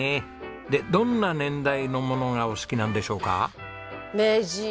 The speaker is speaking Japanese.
でどんな年代のものがお好きなんでしょうか？